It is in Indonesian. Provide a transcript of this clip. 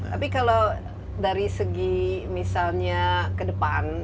tapi kalau dari segi misalnya ke depan